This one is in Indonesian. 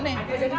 bang rijal ini apa